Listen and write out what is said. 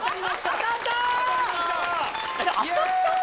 当たった？